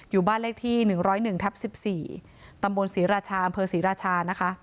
อยู่บ้านเลขที่๑๐๑ทับ๑๔ตำบลศรีราชาอำเภอศรีราชานะคะ